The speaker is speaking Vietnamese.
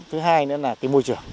thứ hai nữa là cái môi trường